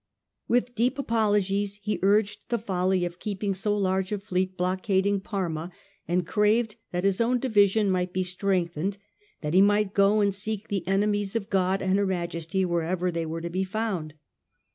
With deep apologies he urged the folly of keeping so large a fleet blockading Parma, and craved that his own division might be strengthened^ that he might go and seek the enemies of God and Her Majesty wherever they were to be found.